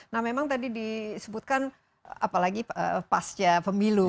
nah memang tadi disebutkan apalagi pasca pemilu